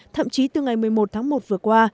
thậm chí từ ngày một mươi một tháng một vừa qua